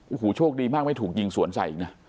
โอ้โหโชคดีมากไม่ถูกยิงสวนใส่อีกนะ